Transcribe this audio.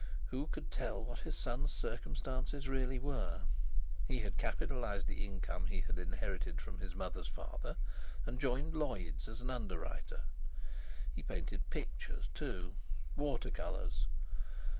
Who could tell what his son's circumstances really were? He had capitalized the income he had inherited from his mother's father and joined Lloyd's as an underwriter; he painted pictures, too—water colours.